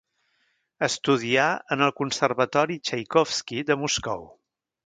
Estudià en el Conservatori Txaikovski de Moscou.